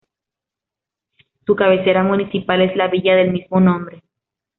Su cabecera municipal es la villa del mismo nombre.